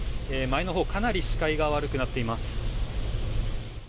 前のほうかなり視界が悪くなっています。